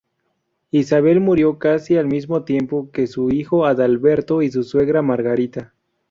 Isabel murió casi al mismo tiempo que su hijo Adalberto y su suegra Margarita.